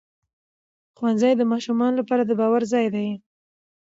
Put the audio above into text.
ښوونځی د ماشومانو لپاره د باور ځای دی